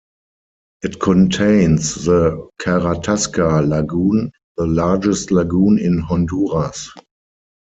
It contains the Caratasca Lagoon, the largest lagoon in Honduras.